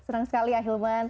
senang sekali ahilman